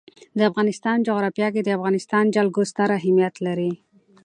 د افغانستان جغرافیه کې د افغانستان جلکو ستر اهمیت لري.